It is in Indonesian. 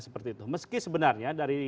seperti itu meski sebenarnya dari